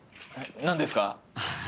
何ですか？